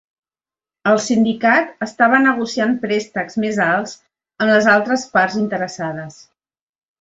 El sindicat estava negociant préstecs més alts amb les altres parts interessades.